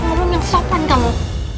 kalau malu memang sopan kamu